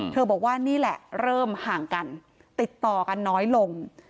บอกว่านี่แหละเริ่มห่างกันติดต่อกันน้อยลง